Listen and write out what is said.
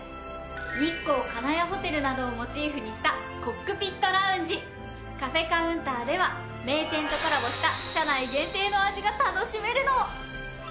日光金谷ホテルなどをモチーフにしたカフェカウンターでは名店とコラボした車内限定の味が楽しめるの。